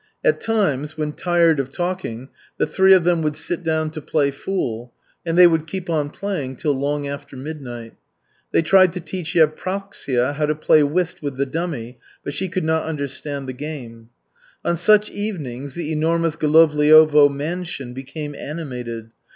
At times, when tired of talking, the three of them would sit down to play fool, and they would keep on playing till long after midnight. They tried to teach Yevpraksia how to play whist with the dummy, but she could not understand the game. On such evenings the enormous Golovliovo mansion became animated.